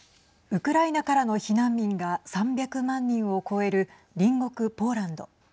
ウクライナからの避難民が３００万人を超える隣国ポーランド。